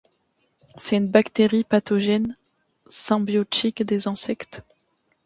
C'est une bactérie pathogène symbiotique des insectes.